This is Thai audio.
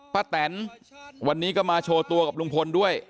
แตนวันนี้ก็มาโชว์ตัวกับลุงพลด้วย